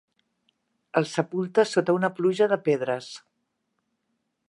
El sepulta sota una pluja de pedres.